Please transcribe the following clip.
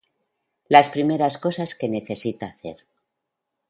las primeras cosas que necesita hacer